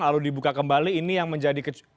lalu dibuka kembali ini yang menjadi